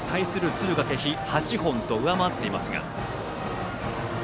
敦賀気比が８本と上回っていますが。